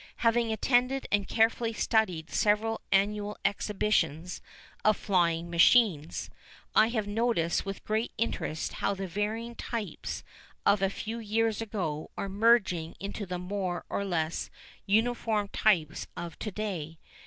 Having attended and carefully studied several annual exhibitions of flying machines, I have noticed with great interest how the varying types of a few years ago are merging into the more or less uniform types of to day.